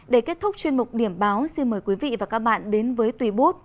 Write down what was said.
để kết thúc chuyên mục điểm báo xin mời quý vị và các bạn đến với tùy bút